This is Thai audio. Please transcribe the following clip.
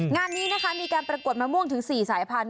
งานนี้นะคะมีการประกวดมะม่วงถึง๔สายพันธุ